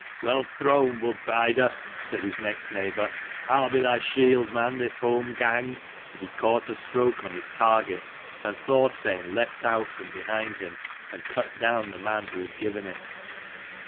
" Well thrown, wood bider," said his next neighbour. "I'll be thy shield man this holm gang:" as he caught a stroke on his target, 294 and Thorstein leapt out from behind him and cut down the man who had given it.